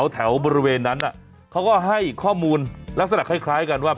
แถวบริเวณนั้นเขาก็ให้ข้อมูลลักษณะคล้ายกันว่า